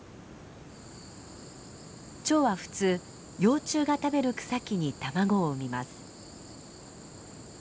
チョウは普通幼虫が食べる草木に卵を産みます。